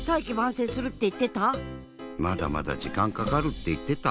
まだまだじかんかかるっていってた。